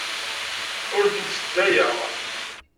Ur tent-sseddayeɣ.